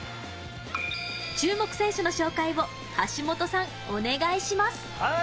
注目選手の紹介を橋本さんお願いします。